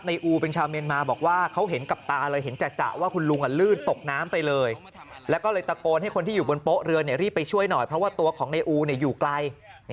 รีบไปช่วยหน่อยเพราะว่าตัวของเนอูอยู่ไกล